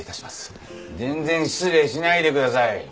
全然失礼しないでください。